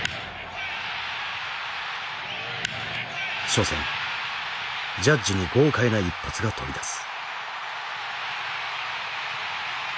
初戦ジャッジに豪快な一発が飛び出す。